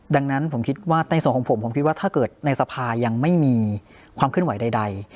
ดังนั้นผมคิดว่าในส่วนของผมผมคิดว่าถ้าเกิดในสภายังไม่มีความเคลื่อนไหวใด